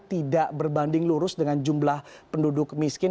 tidak berbanding lurus dengan jumlah penduduk miskin